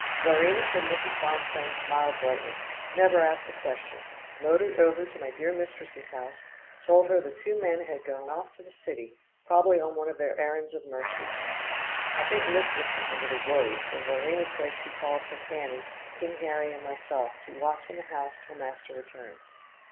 Czarina says Mrs. Bonstone smiled brightly, never asked a question, motored over to my dear mistress's house, told her the two men had gone off to the city, probably on one of their errands of mercy. I think mistress was a little worried, for Czarina says she called for Cannie, King Harry and myself to watch in the house till master returned.